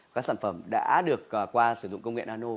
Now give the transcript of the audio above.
các sản phẩm đã được qua sử dụng công nghệ nano